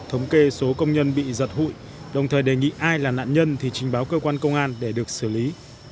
thống kê số công nhân bị giật hụi đồng thời đề nghị ai là nạn nhân thì trình báo cơ quan công an để được xử lý